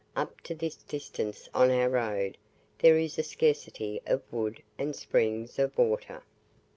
Up to this distance on our road there is a scarcity of wood and springs of water.